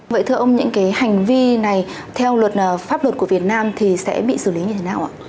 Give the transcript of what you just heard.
vậy thưa ông những cái hành vi này theo luật pháp luật của việt nam thì sẽ bị xử lý như thế nào ạ